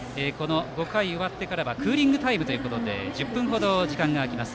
５回終わってからはクーリングタイムということで１０分間ほど時間が空きます。